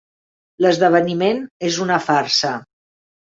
L'esdeveniment és una farsa.